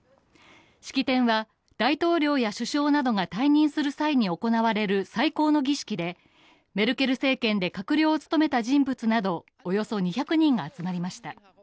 式典は大統領や首相などが退任する際に行われる最高の儀式で、メルケル政権で閣僚を務めた人物などおよそ２００人が集まりました。